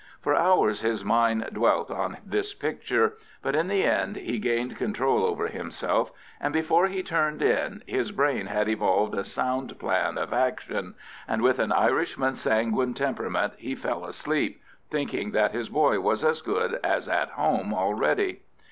For hours his mind dwelt on this picture, but in the end he gained control over himself, and before he turned in his brain had evolved a sound plan of action, and with an Irishman's sanguine temperament he fell asleep, thinking that his boy was as good as at home already.